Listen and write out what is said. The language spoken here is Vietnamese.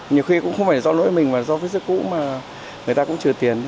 nhiều khi cũng không phải do lỗi mình mà do vết xước cũ mà người ta cũng trừ tiền